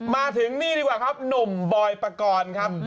มาถึงนี่ดีกว่าครับหนุ่มบอยปกรณ์ครับ